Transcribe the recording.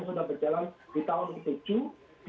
sudah berjalan di tahun dua ribu tujuh